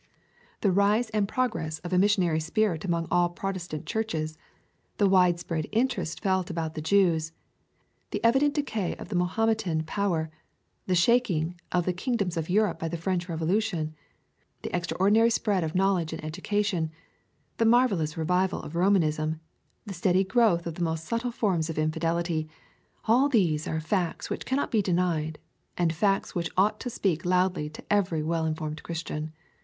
The rise and progress of ••••••••••• LUKE. CHAP. XII. 103 ft raissionary spirit among all Protestant Churches, — the wide spread interest felt about the Jews, — the evi dent decay of the Mahometan power, — the shaking of all thekingdomsof Europe by the French Bevolution, — the extraordinary spread of knowledge and education, — the marvellous revival of Romanism, — the steady growth of the most subtle forms of infidelity, — ^all these are facts which cannot be denied, and facts which ought to speak loudly to every well informed Christian.